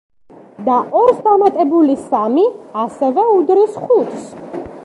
და ორს დამატებული სამი ასევე უდრის ხუთს.